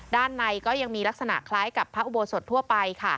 ด้านในก็ยังมีลักษณะคล้ายกับพระอุโบสถทั่วไปค่ะ